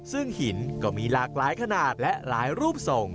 ซึ่งหินก็มีหลากหลายขนาดและหลายรูปส่ง